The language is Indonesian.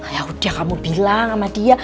yaudah kamu bilang sama dia